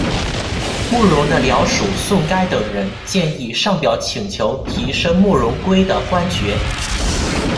慕容的僚属宋该等人建议上表请求提升慕容廆的官爵。